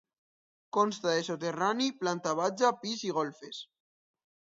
Consta de soterrani, planta baixa, pis i golfes.